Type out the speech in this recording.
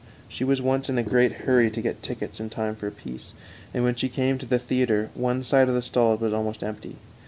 She was once in a great hurry to get tickets in time for a piece, and when she came to the theater one side of the stalls was almost empty.